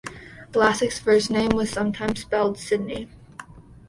Lassick's first name was sometimes spelled "Sidney".